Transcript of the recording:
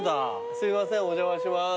すいませんお邪魔します。